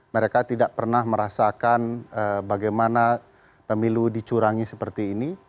mereka tidak pernah merasakan bagaimana pemilu dicurangi seperti ini